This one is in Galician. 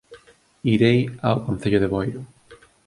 Irei ao Concello de Boiro